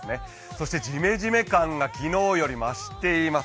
そしてジメジメ感が昨日より増しています。